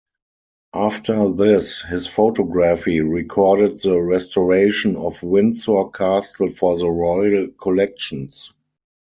After this, his photography recorded the restoration of Windsor Castle for the Royal Collections.